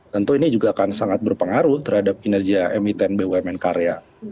tentu ini juga akan sangat berpengaruh terhadap kinerja emiten bumn karya